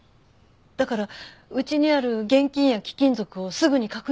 だからうちにある現金や貴金属をすぐに確認しろって。